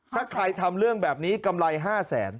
ถ้าใครทำเรื่องแบบนี้กำไร๕แสน